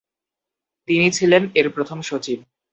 তিনি ছিলেন এর প্রথম সচিব।